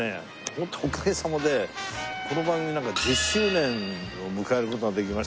ホントおかげさまでこの番組１０周年を迎える事ができまして。